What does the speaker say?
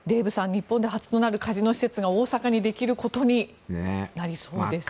日本で初となるカジノ施設が大阪にできることになりそうですが。